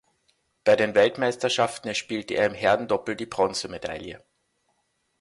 Bei den Weltmeisterschaften erspielte er im Herrendoppel die Bronzemedaille.